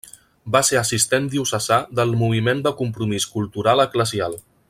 Va ser assistent diocesà del Moviment de Compromís Cultural eclesial.